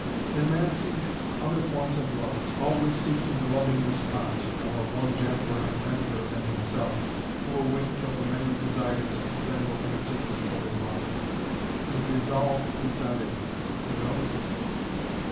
"Then man seeks other forms of loves, always seeking the loving response, you know, of one gentler and tenderer than himself, who will wait till the man desires, and then will answer with full love. But it is all pis aller, you know."